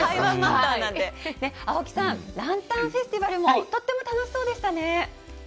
青木さん、ランタンフェスティバルも、とっても楽しそうでしたね。